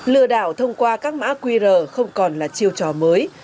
lừa đảo thông qua các mã qr không còn là chiêu trò mới